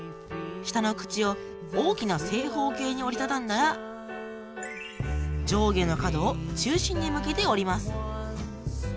下の口を大きな正方形に折り畳んだら上下の角を中心に向けて折ります。